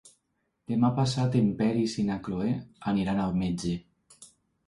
Demà passat en Peris i na Cloè aniran al metge.